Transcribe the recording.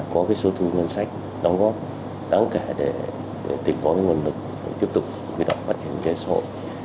có số thu ngân sách đóng góp đáng kể để tỉnh có nguồn lực tiếp tục quy đọc phát triển thế xã hội